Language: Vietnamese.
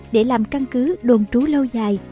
để làm căn cứ đồn trú lâu dài